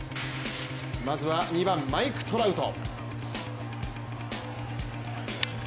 まずは２番、マイク・トラウト。